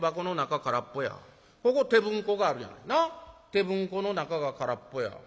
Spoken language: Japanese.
手文庫の中が空っぽや。